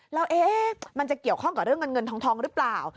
แล้วมันจะเกี่ยวข้องกับเรื่องเงินเงินทองหรือเปล่า